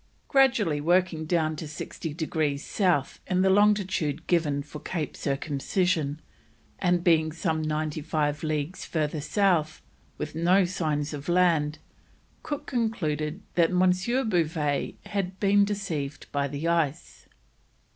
Gradually working down to 60 degrees South in the longitude given for Cape Circumcision, and being some ninety five leagues further south, with no signs of land, Cook concluded that M. Bouvet must have been deceived by the ice.